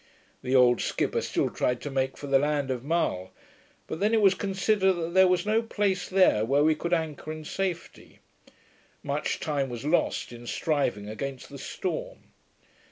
The old skipper still tried to make for the land of Mull, but then it was considered that there was no place there where we could anchor in safety. Much time was lost in striving against the storm.